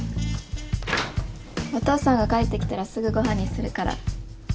お義父さんが帰ってきたらすぐご飯にするから。